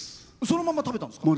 そのまんま食べたんですか？